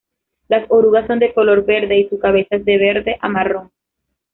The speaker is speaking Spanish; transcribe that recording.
Los orugas son de color verde y su cabeza es de verde a marrón.